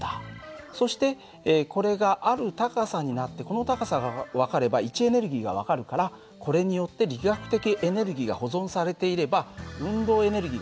そしてこれがある高さになってこの高さが分かれば位置エネルギーが分かるからこれによって力学的エネルギーが保存されていれば運動エネルギーが分かる。